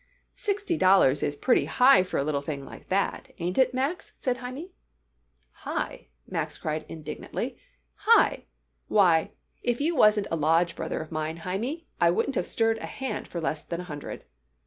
"Sixty dollars is pretty high for a little thing like that, ain't it, Max?" said Hymie. "High?" Max cried indignantly. "High? Why, if you wasn't a lodge brother of mine, Hymie, I wouldn't have stirred a hand for less than a hundred."